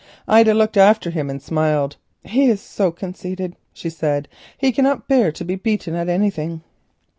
Ida looked after him and smiled. "He is so conceited," she said; "he cannot bear to be beaten at anything."